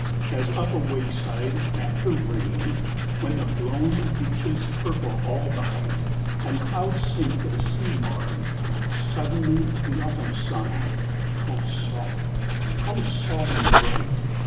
As up a wayside, after rain, When the blown beeches purple all the height And clouds sink to the sea marge, suddenly The autumn sun (how soft, how solemn bright!)